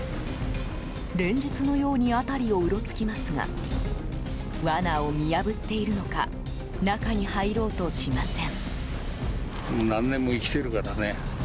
連日のように辺りをうろつきますがわなを見破っているのか中に入ろうとしません。